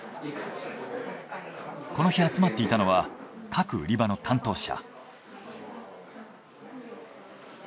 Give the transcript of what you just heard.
この日集まっていたのは各売り場の担当者。